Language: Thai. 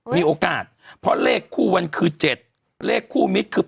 เป็นการกระตุ้นการไหลเวียนของเลือด